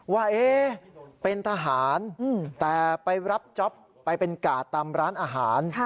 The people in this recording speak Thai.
ว่าเป็นทหารแต่ไปรับจ๊อปไปเป็นกาดตามร้านอาหาร